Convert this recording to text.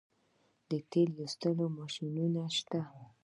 د تیلو ایستلو ماشینونه شته